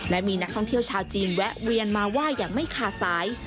และมีนักท่องเที่ยวชาวจีนแวะเวียนมาไหว้อย่างไม่ขาดสาย